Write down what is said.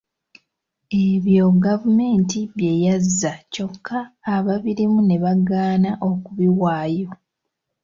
Ebyo Gavumenti bye yazza kyokka ababirimu ne bagaana okubiwaayo.